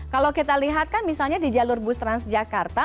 kalau kita lihat kan misalnya di jalur bus transjakarta